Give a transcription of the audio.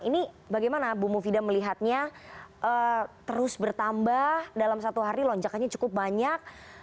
ini bagaimana bu mufidah melihatnya terus bertambah dalam satu hari lonjakannya cukup banyak